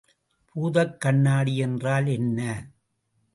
பூதக்கண்ணாடி என்றால் என்ன?